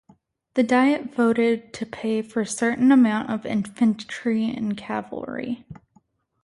The Diet voted to pay for certain amount of infantry and cavalry.